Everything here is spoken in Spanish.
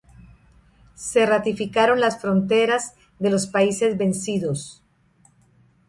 Se ratificaron las fronteras de los países vencidos.